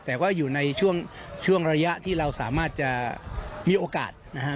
แต่ว่าอยู่ในช่วงระยะที่เราสามารถจะมีโอกาสนะฮะ